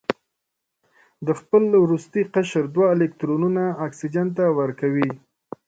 د خپل وروستي قشر دوه الکترونونه اکسیجن ته ورکوي.